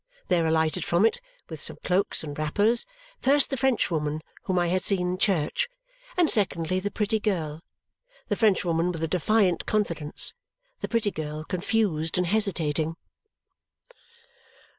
There alighted from it, with some cloaks and wrappers, first the Frenchwoman whom I had seen in church, and secondly the pretty girl, the Frenchwoman with a defiant confidence, the pretty girl confused and hesitating.